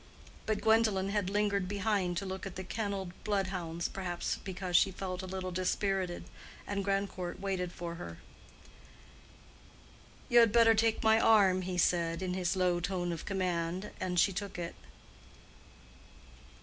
But Gwendolen had lingered behind to look at the kenneled blood hounds, perhaps because she felt a little dispirited; and Grandcourt waited for her. "You had better take my arm," he said, in his low tone of command; and she took it.